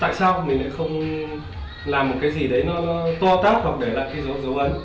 tại sao mình lại không làm một cái gì đấy nó to tát hoặc để lại cái dấu ấn